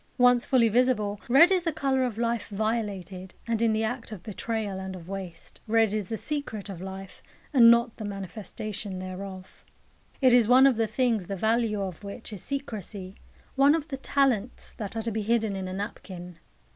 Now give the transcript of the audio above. Once fully visible, red is the colour of life violated, and in the act of betrayal and of waste. Red is the secret of life, and not the manifestation thereof. It is one of the things the value of which is secrecy, one of the talents that are to be hidden in a napkin.